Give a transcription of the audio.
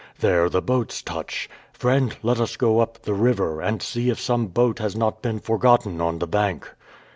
There the boats touch. Friend, let us go up the river, and see if some boat has not been forgotten on the bank."